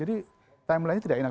jadi timeline nya tidak enak